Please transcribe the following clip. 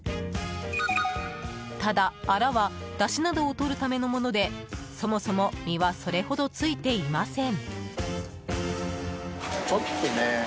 ただ、アラはだしなどを取るためのものでそもそも身はそれほど付いていません。